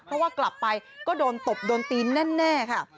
เพราะว่ากลับไปก็โดนตบโดนตีแน่ค่ะ